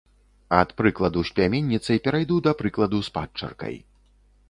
Ад прыкладу з пляменніцай перайду да прыкладу з падчаркай.